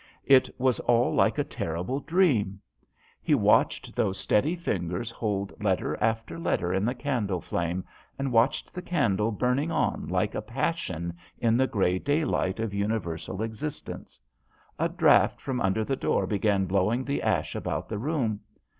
It was all like a terrible dream. He JOHN SHERMAN. l6l watched those steady fingers hold letter after letter in the candle flame, and watched the candle burning on like a passion in the grey daylight of universal exist ence. A draught from under the door began blowing the ash about the room.